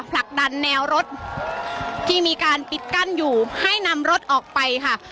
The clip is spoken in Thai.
ผลักดันแนวรถที่มีการปิดกั้นอยู่ให้นำรถออกไปค่ะ